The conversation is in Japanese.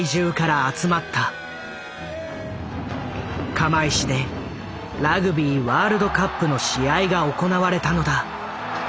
釜石でラグビーワールドカップの試合が行われたのだ。